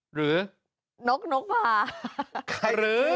หรือนกนกพา